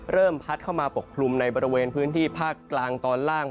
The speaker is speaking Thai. พัดเข้ามาปกคลุมในบริเวณพื้นที่ภาคกลางตอนล่าง